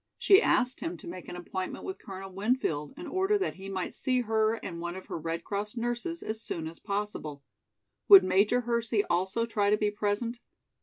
She asked him to make an appointment with Colonel Winfield in order that he might see her and one of her Red Cross nurses as soon as possible. Would Major Hersey also try to be present?